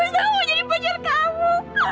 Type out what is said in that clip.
aku tuh selalu mau jadi pacar kamu